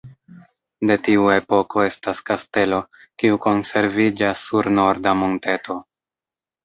De tiu epoko estas kastelo, kiu konserviĝas sur norda monteto.